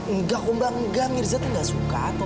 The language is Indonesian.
enggak mbak enggak mirza tuh gak suka aku